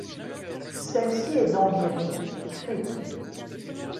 Celle-ci est d'environ cris.